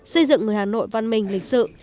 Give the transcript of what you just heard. xây dựng người hà nội văn minh lịch sự